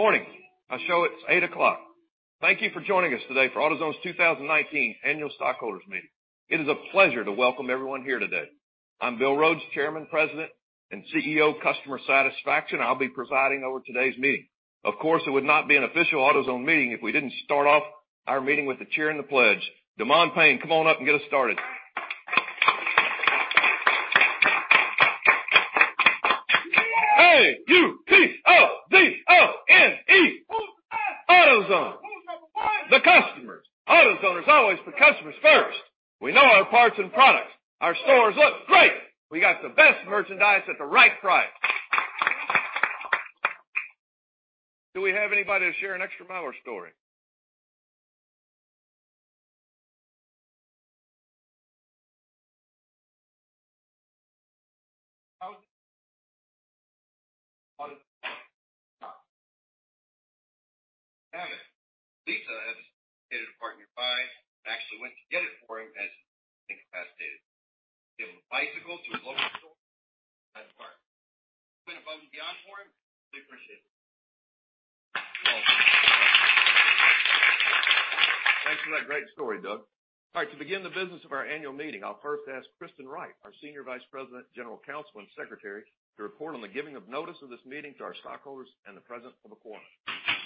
Morning. I show it's 8:00 A.M. Thank you for joining us today for AutoZone's 2019 annual stockholders meeting. It is a pleasure to welcome everyone here today. I'm Bill Rhodes, Chairman, President, and CEO of customer satisfaction. I'll be presiding over today's meeting. Of course, it would not be an official AutoZone meeting if we didn't start off our meeting with a cheer and the pledge. Demond Payne, come on up and get us started. A-U-T-O-Z-O-N-E. AutoZone. Who's number one? The customers. AutoZone is always put customers first. We know our parts and products. Our stores look great. We got the best merchandise at the right price. Do we have anybody to share an extra mile or story? Lisa had a part nearby, and actually went to get it for him as he was incapacitated. Gave him a bicycle to his local store and that was that. Went above and beyond for him, we appreciate it. Thanks for that great story, Doug. All right. To begin the business of our annual meeting, I'll first ask Kristen Wright, our Senior Vice President, General Counsel, and Secretary, to report on the giving of notice of this meeting to our stockholders and the presence of a quorum. [Mrs.]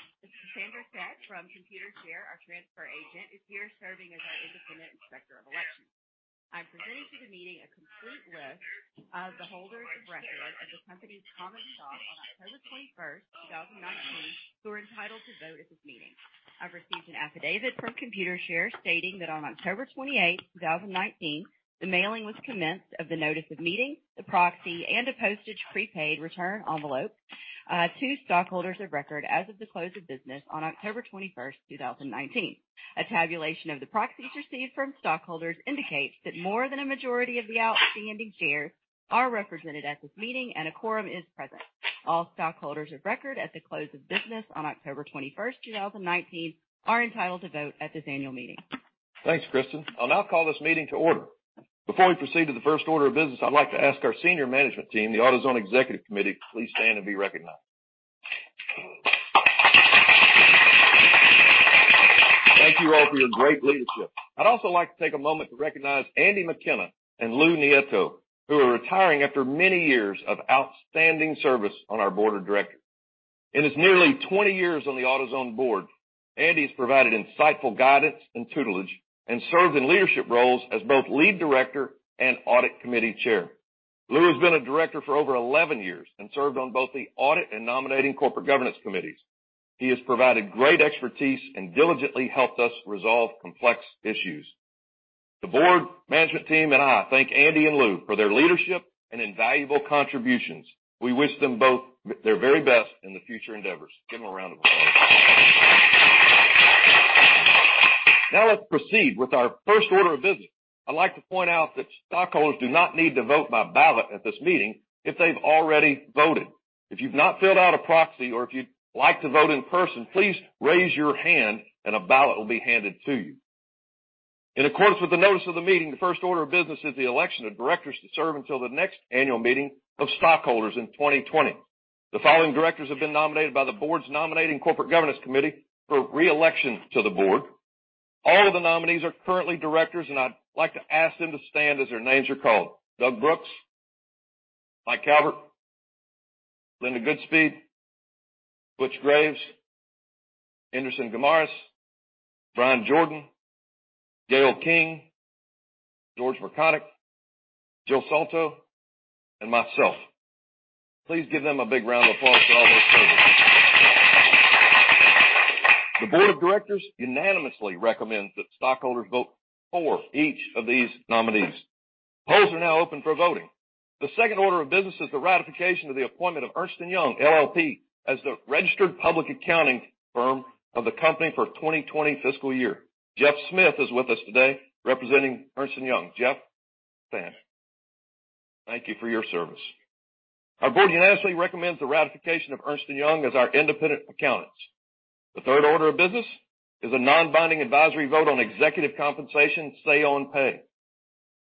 Sandra Satch from Computershare, our transfer agent, is here serving as our independent Inspector of Elections. I'm presenting to the meeting a complete list of the holders of record of the company's common stock on October 21st, 2019, who are entitled to vote at this meeting. I've received an affidavit from Computershare stating that on October 28th, 2019, the mailing was commenced of the notice of meeting, the proxy, and a postage prepaid return envelope, to stockholders of record as of the close of business on October 21st, 2019. A tabulation of the proxies received from stockholders indicates that more than a majority of the outstanding shares are represented at this meeting and a quorum is present. All stockholders of record at the close of business on October 21st, 2019, are entitled to vote at this annual meeting. Thanks, Kristen. I'll now call this meeting to order. Before we proceed to the first order of business, I'd like to ask our senior management team, the AutoZone Executive Committee, to please stand and be recognized. Thank you all for your great leadership. I'd also like to take a moment to recognize Andy McKenna and Lou Nieto, who are retiring after many years of outstanding service on our board of directors. In his nearly 20 years on the AutoZone board, Andy's provided insightful guidance and tutelage and served in leadership roles as both lead director and audit committee chair. Lou has been a director for over 11 years and served on both the audit and nominating corporate governance committees. He has provided great expertise and diligently helped us resolve complex issues. The board, management team, and I thank Andy and Lou for their leadership and invaluable contributions. We wish them both their very best in the future endeavors. Give them a round of applause. Now let's proceed with our first order of business. I'd like to point out that stockholders do not need to vote by ballot at this meeting if they've already voted. If you've not filled out a proxy or if you'd like to vote in person, please raise your hand and a ballot will be handed to you. In accordance with the notice of the meeting, the first order of business is the election of directors to serve until the next annual meeting of stockholders in 2020. The following directors have been nominated by the Board's Nominating Corporate Governance Committee for re-election to the board. All of the nominees are currently directors, and I'd like to ask them to stand as their names are called. Doug Brooks, Mike Calbert, Linda Goodspeed, Butch Graves, Enderson Guimarães, Bryan Jordan, Gale King, George Mrkonic, Jill Soltau, and myself. Please give them a big round of applause for all their service. The board of directors unanimously recommends that stockholders vote for each of these nominees. Polls are now open for voting. The second order of business is the ratification of the appointment of Ernst & Young, LLP as the registered public accounting firm of the company for 2020 fiscal year. Jeff Smith is with us today representing Ernst & Young. Jeff, stand. Thank you for your service. Our board unanimously recommends the ratification of Ernst & Young as our independent accountants. The third order of business is a non-binding advisory vote on executive compensation say on pay.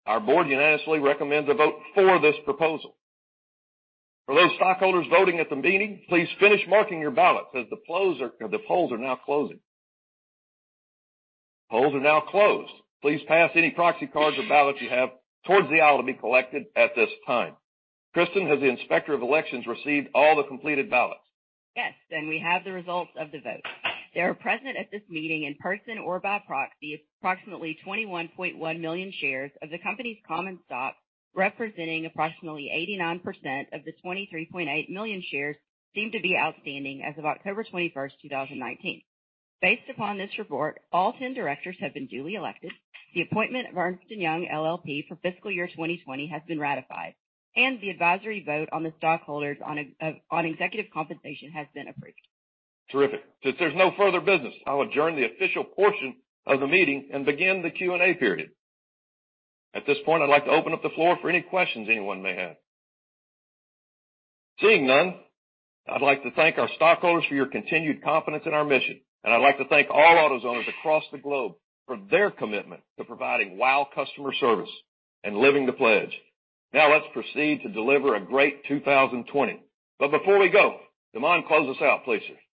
Our board unanimously recommends a vote for this proposal. For those stockholders voting at the meeting, please finish marking your ballot as the polls are now closing. Polls are now closed. Please pass any proxy cards or ballots you have towards the aisle to be collected at this time. Kristen, has the Inspector of Elections received all the completed ballots? Yes. We have the results of the vote. There are present at this meeting in person or by proxy, approximately 21.1 million shares of the company's common stock, representing approximately 89% of the 23.8 million shares deemed to be outstanding as of October 21, 2019. Based upon this report, all 10 directors have been duly elected, the appointment of Ernst & Young LLP for fiscal year 2020 has been ratified, and the advisory vote on the stockholders on executive compensation has been approved. Terrific. Since there's no further business, I'll adjourn the official portion of the meeting and begin the Q&A period. At this point, I'd like to open up the floor for any questions anyone may have. Seeing none, I'd like to thank our stockholders for your continued confidence in our mission. I'd like to thank all AutoZoners across the globe for their commitment to providing wow customer service and living the pledge. Now let's proceed to deliver a great 2020. Before we go, Demond, close us out, please sir.